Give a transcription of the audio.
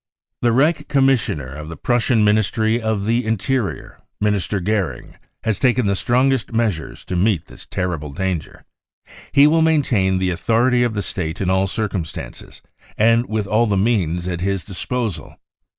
" The Reich Commissioner of the Prussian Ministry of the Interior, Minister Goering, has taken the strongest measures to meet this terrible danger. He will maintain the authority of the State in all circumstances and with all the means at his disposal.